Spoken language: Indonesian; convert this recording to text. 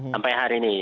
sampai hari ini